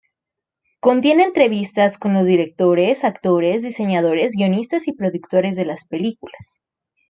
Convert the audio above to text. Contiene entrevistas con los directores, actores, diseñadores, guionistas y productores de las películas.